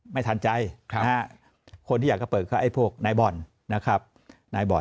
ไม่ทันใจคนอยากจะเปิดก็ไอ้พวกนายบอนนะครับ